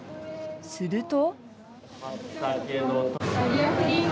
すると。